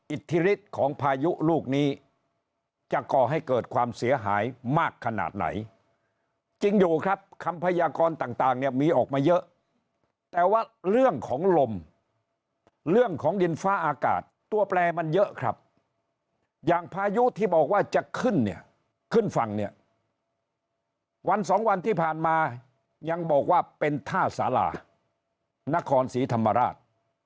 อิทธิฤทธิ์ของพายุลูกนี้จะก่อให้เกิดความเสียหายมากขนาดไหนจริงอยู่ครับคำพยากรต่างเนี่ยมีออกมาเยอะแต่ว่าเรื่องของลมเรื่องของดินฟ้าอากาศตัวแปลมันเยอะครับอย่างพายุที่บอกว่าจะขึ้นเนี่ยขึ้นฝั่งเนี่ยวันสองวันที่ผ่านมายังบอกว่าเป็นท่าสารานครศรีธรรมราช